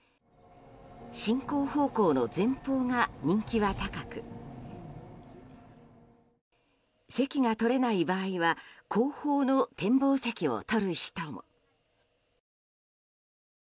進行方向の前方が人気は高く席が取れない場合は後方の展望席を取る人も。